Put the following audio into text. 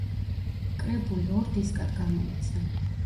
კრებული ორ დისკად გამოიცა.